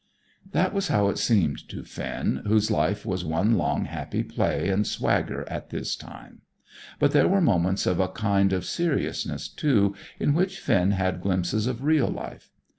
That was how it seemed to Finn, whose life was one long, happy play and swagger at this time. But there were moments of a kind of seriousness, too, in which Finn had glimpses of real life.